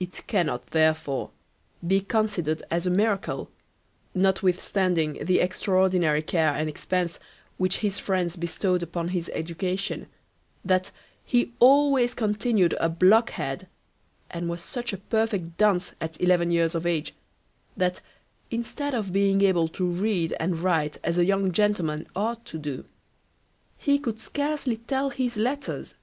It cannot therefore be considered as a miracle, notwithstanding the extraordinary care and expense which his friends bestowed upon his education, that he always continued a blockhead, and was such a perfect dunce at eleven years of age, that instead of being able to read and write as a young gentleman ought to do, he could scarcely tell his letters.